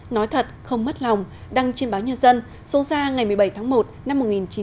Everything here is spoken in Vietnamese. nói thật không mất lòng đăng trên báo nhân dân số ra ngày một mươi bảy tháng một năm một nghìn chín trăm bảy mươi